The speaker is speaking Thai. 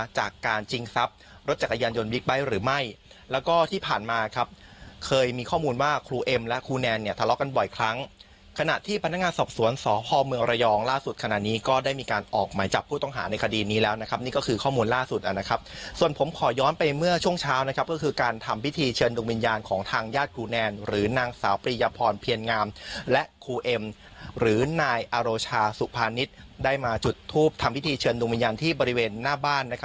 จริงทรัพย์รถจักรยานยนต์บิ๊กไบท์หรือไม่แล้วก็ที่ผ่านมาครับเคยมีข้อมูลว่าครูเอ็มและครูแนนเนี้ยทะเลาะกันบ่อยครั้งขณะที่พนักงานสอบสวนสอบพ่อเมืองระยองล่าสุดขณะนี้ก็ได้มีการออกใหม่จากผู้ต้องหาในคดีนี้แล้วนะครับนี่ก็คือข้อมูลล่าสุดอ่ะนะครับส่วนผมขอย้อนไปเมื่อช่วงเช้านะครับก